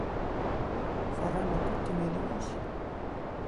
Faranno tutto i miei nemici".